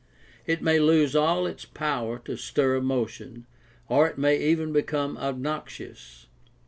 It may lose all its power to stir emotion, or it may even become obnoxious.